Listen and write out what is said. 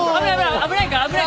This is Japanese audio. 危ない危ない。